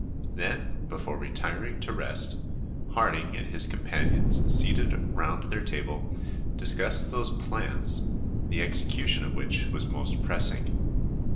Then, before retiring to rest, Harding and his companions seated round their table, discussed those plans, the execution of which was most pressing.